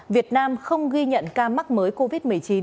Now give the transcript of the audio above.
việt nam không ghi nhận ca mắc mới covid một mươi chín